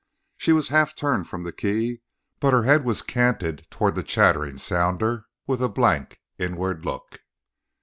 She was half turned from the key, but her head was canted toward the chattering sounder with a blank, inward look.